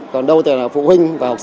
còn đâu thì là phụ huynh